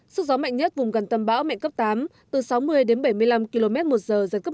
sức gió mạnh nhất vùng gần tâm bão mạnh cấp tám từ sáu mươi đến bảy mươi năm km một giờ giật cấp một mươi